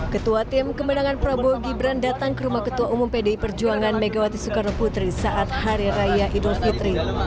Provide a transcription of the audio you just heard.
ketua tim kemenangan prabowo gibran datang ke rumah ketua umum pdi perjuangan megawati soekarno putri saat hari raya idul fitri